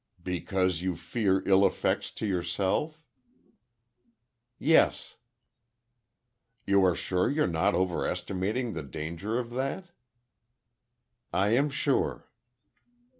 "Because you fear ill effects to yourself?" "Yes." "You are sure you're not overestimating the danger of that?" "I am sure."